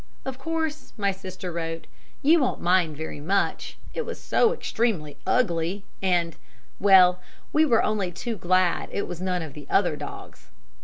'Of course,' my sister wrote, 'you won't mind very much it was so extremely ugly, and well we were only too glad it was none of the other dogs.'